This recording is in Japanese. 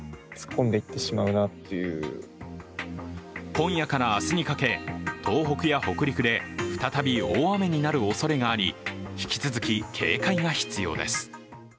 今夜から明日にかけ、東北や北陸で再び大雨になるおそれがあり、引き続き警戒が必要です。